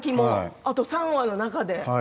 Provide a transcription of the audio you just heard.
あと３話の中で。